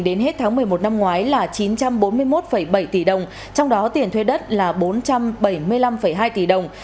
đến hết tháng một mươi một năm ngoái là chín trăm bốn mươi một bảy tỷ đồng trong đó tiền thuê đất là bốn trăm bảy mươi năm hai tỷ đồng